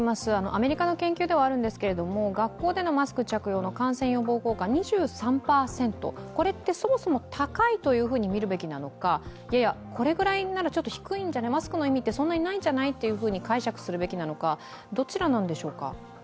アメリカの研究ではあるんですけれども、学校でのマスク着用の感染予防効果、２３％、これって、そもそも高いと見るべきなのか、いやいや、これくらいならちょっと低いんじゃない、マスクの意味ってそんなにないと解釈するべきなのか、どちらなんでしょうか？